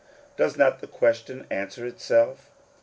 Does not the question answer itself?